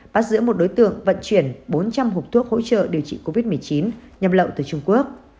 bắt giữ một đối tượng vận chuyển bốn trăm linh hộp thuốc hỗ trợ điều trị covid một mươi chín nhập lậu từ trung quốc